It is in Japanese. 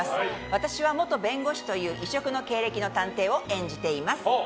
私は元弁護士という異色の経歴の探偵を演じています。